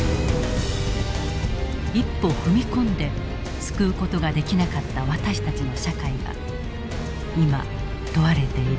一歩踏み込んで救う事ができなかった私たちの社会が今問われている。